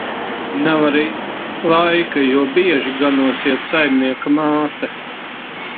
Nav arī laika, jo bieži ganos iet saimnieka māte.